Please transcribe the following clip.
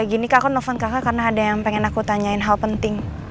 gini kak aku nelfon kakak karena ada yang pengen aku tanyain hal penting